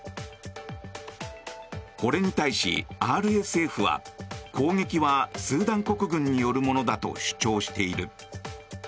これに対しＲＳＦは攻撃はスーダン国軍によるものだと主張している。